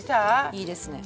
いいですね。